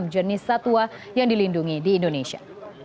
enam jenis satwa yang dilindungi di indonesia